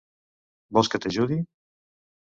Vols que t'ajudi?